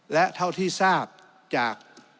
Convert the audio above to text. และเท่าที่ทราบจาก